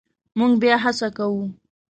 مونږ بیا هڅه کوو